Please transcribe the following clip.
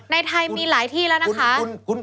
ในไทยมีหลายที่แล้วนะคะ